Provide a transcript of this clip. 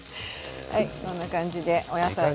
はいこんな感じでお野菜がしっとり。